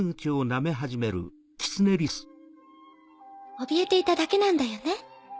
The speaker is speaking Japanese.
おびえていただけなんだよね。